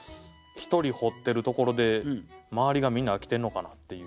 一人掘ってるところで周りがみんな飽きてんのかなっていう。